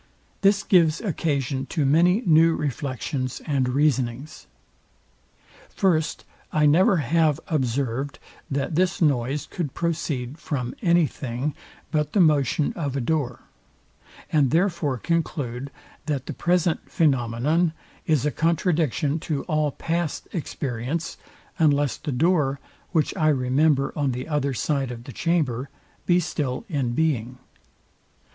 This gives occasion to many new reflections and reasonings. First, I never have observed, that this noise could proceed from any thing but the motion of a door; and therefore conclude, that the present phænomenon is a contradiction to all past experience, unless the door, which I remember on the other side the chamber, be still in being.